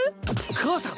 母さん！